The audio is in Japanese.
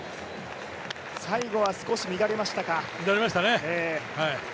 最後は少し乱れましたか。